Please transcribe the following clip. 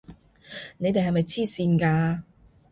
你哋係咪癡線㗎！